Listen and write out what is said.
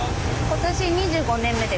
今年２５年目です。